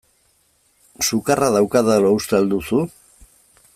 Sukarra daukadala uste al duzu?